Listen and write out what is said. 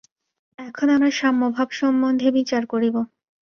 এখন আমরা সাম্যভাব সম্বন্ধে বিচার করিব।